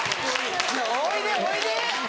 ・おいでおいで・